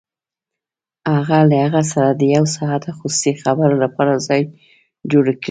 هغه له هغه سره د يو ساعته خصوصي خبرو لپاره ځای جوړ کړی و.